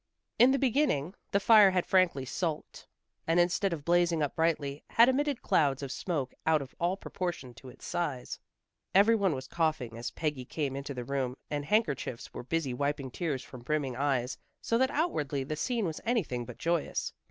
In the beginning the fire had frankly sulked, and instead of blazing up brightly, had emitted clouds of smoke out of all proportion to its size. Every one was coughing as Peggy came into the room, and handkerchiefs were busy wiping tears from brimming eyes, so that outwardly the scene was anything but joyous.